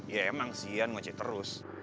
ya emang sih ian ngocek terus